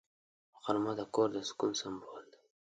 غرمه د کور د سکون سمبول دی